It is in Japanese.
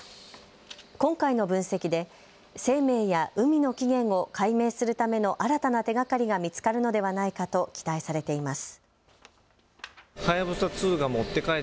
今回の分析で生命や海の起源を解明するための新たな手がかりが見つかるのではないかと期待されています。